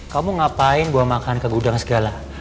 kamu ngapain buat makan ke gudang segala